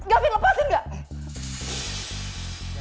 gavin lepasin gak